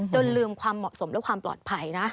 ลืมความเหมาะสมและความปลอดภัยนะ